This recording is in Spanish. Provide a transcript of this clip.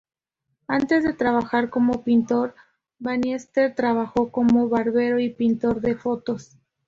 Antes de trabajar como pintor, Bannister trabajó como barbero y pintor de fotos.